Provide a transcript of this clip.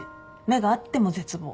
目が合っても絶望。